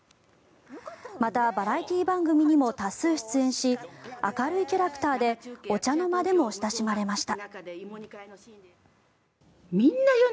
また、バラエティー番組にも多数出演し明るいキャラクターでお茶の間でも親しまれました。